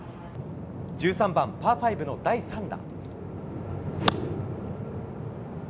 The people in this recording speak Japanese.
１３番、パー５の第３打。